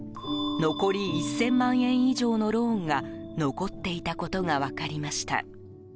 残り１０００万円以上のローンが残っていたことが分かりました。